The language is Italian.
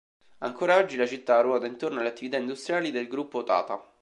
Ancora oggi la città ruota intorno alle attività industriali del gruppo Tata.